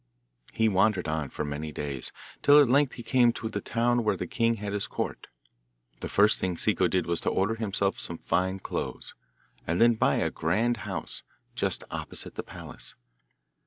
He wandered on for many days, till at length he came to the town where the king had his court. The first thing Ciccu did was to order himself some fine clothes, and then buy a grand house, just opposite the palace.